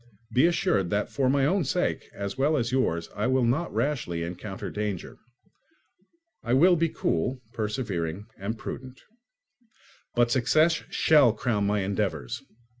Be assured that for my own sake, as well as yours, I will not rashly encounter danger. I will be cool, persevering, and prudent. But success shall crown my endeavours.